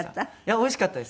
おいしかった？